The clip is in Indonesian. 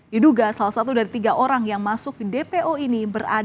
diduga salah satu dari tiga orang yang masuk di dpo ini